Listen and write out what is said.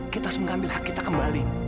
kita harus mengambil hak kita kembali